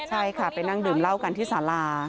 ใช่ค่ะไปนั่งดื่มเหล้ากันที่สารา